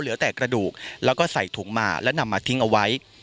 เหลือแต่กระดูกแล้วก็ใส่ถุงมาและนำมาทิ้งเอาไว้